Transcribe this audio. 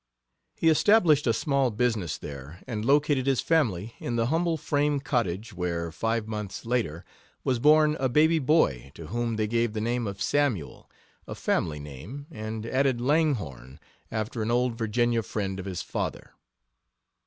He established a small business there, and located his family in the humble frame cottage where, five months later, was born a baby boy to whom they gave the name of Samuel a family name and added Langhorne, after an old Virginia friend of his father.